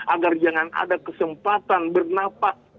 agar jangan ada kesempatan bernafas